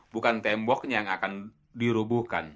bukan temboknya yang akan dirubuhkan